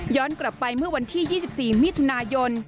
กลับไปเมื่อวันที่๒๔มิถุนายน